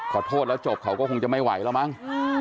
ขอโทษแล้วจบเขาก็คงจะไม่ไหวแล้วมั้ง